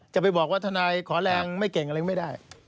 จะไปบอกว่าทนายขอแรงไม่เก่งอะไรไม่ได้